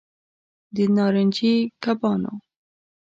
د نارنجي کبانو